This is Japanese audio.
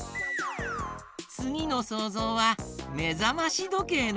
つぎのそうぞうは「めざましどけい」のえだよ！